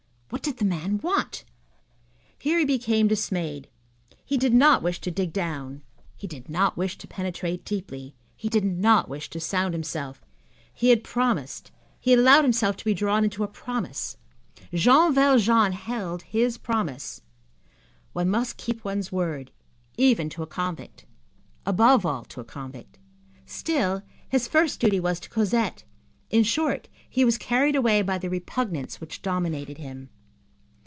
What did the man want? Here, he became dismayed, he did not wish to dig down, he did not wish to penetrate deeply; he did not wish to sound himself. He had promised, he had allowed himself to be drawn into a promise; Jean Valjean held his promise; one must keep one's word even to a convict, above all to a convict. Still, his first duty was to Cosette. In short, he was carried away by the repugnance which dominated him.